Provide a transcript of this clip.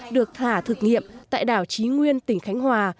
được thả thực nghiệm tại đảo trí nguyên tỉnh khánh hòa